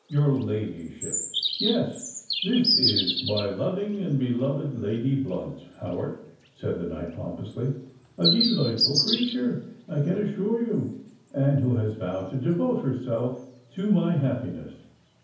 "Your ladyship——" "Yes—this is my loving and beloved Lady Blunt, Howard," said the knight pompously: "a delightful creature, I can assure you—and who has vowed to devote herself to my happiness."